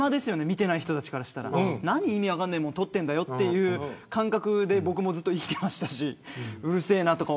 見ていない人たちからすると何、意味分からないもの撮ってるんだよという感覚で僕も、ずっと生きてましたしうるせえなとか。